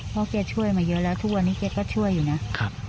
เพราะแกช่วยมาเยอะแล้วทุกวันนี้แกก็ช่วยอยู่นะ